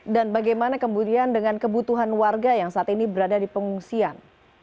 dan bagaimana kemudian dengan kebutuhan warga yang saat ini berada di pengungsian